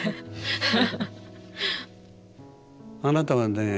あなたをね